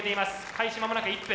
開始間もなく１分。